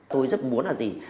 tôi rất muốn là gì